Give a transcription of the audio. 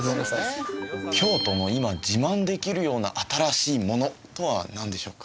京都の今自慢できるような新しいものとは何でしょうか？